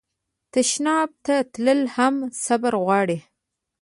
تشناب ته تلل هم صبر غواړي.